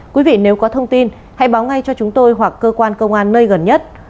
quý vị nếu có thông tin hãy báo ngay cho chúng tôi hoặc cơ quan công an nơi gần nhất